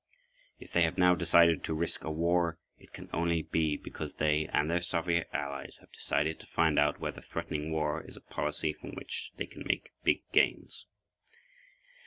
If they have now decided to risk a war, it can only be because they, and their Soviet allies, have decided to find out whether threatening war is a policy from which they can make big gains.